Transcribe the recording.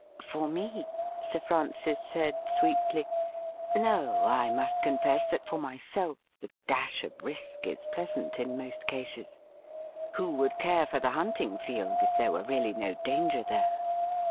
' For me .P' Sir Francis said sweetly. ' No, I must confess that for myself the dash of risk is pleasant in most cases. Who would care for the hunting field if there were really no danger there